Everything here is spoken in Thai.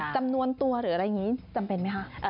จำนวนตัวหรืออะไรอย่างนี้จำเป็นไหมคะ